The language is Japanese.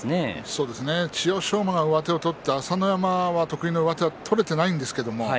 馬が上手を取って朝乃山は得意の上手を取れていないんですけど